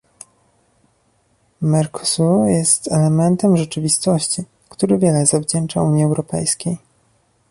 Mercosur jest elementem rzeczywistości, który wiele zawdzięcza Unii Europejskiej